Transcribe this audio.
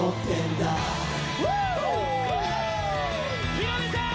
ヒロミさーん！